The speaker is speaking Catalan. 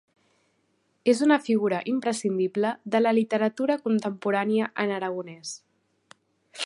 És una figura imprescindible de la literatura contemporània en aragonès.